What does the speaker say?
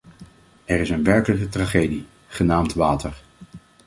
Er is een werkelijke tragedie: genaamd water.